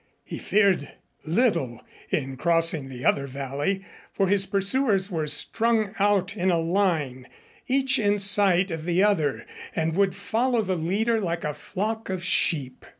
He feared little in crossing the other valley, for his pursuers were strung out in a line, each in sight of the other, and would follow the leader like a flock of sheep.